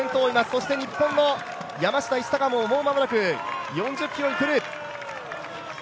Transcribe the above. そして日本の山下一貴ももう間もなく４０ｋｍへ来る。